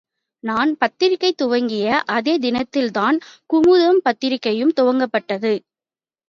நான் பத்திரிக்கை துவக்கிய அதே தினத்தில்தான் குமுதம் பத்திரிக்கையும் துவக்கப்பட்டது.